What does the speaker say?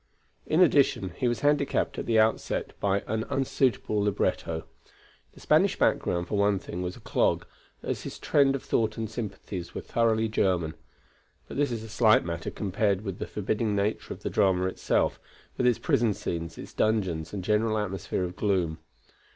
In addition, he was handicapped at the outset by an unsuitable libretto. The Spanish background, for one thing, was a clog, as his trend of thought and sympathies were thoroughly German. But this is a slight matter compared with the forbidding nature of the drama itself, with its prison scenes, its dungeons and general atmosphere of gloom.